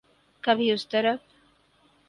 کبھی اس طرف۔